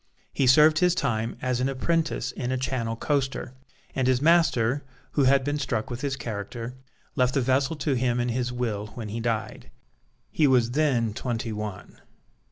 He served his time as an apprentice in a Channel coaster, and his master, who had been struck with his character, left the vessel to him in his will when he died. He was then twenty one.